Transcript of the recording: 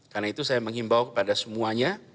karena itu saya mengimbau kepada semuanya